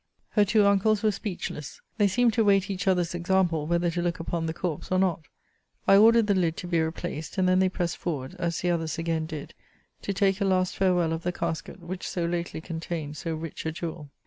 Her two uncles were speechless. They seemed to wait each other's example, whether to look upon the corpse, or not. I ordered the lid to be replaced; and then they pressed forward, as the others again did, to take a last farewell of the casket which so lately contained so rich a jewel.